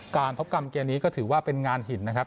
การพบกรรมเกมนี้ก็ถือว่าเป็นงานหินนะครับ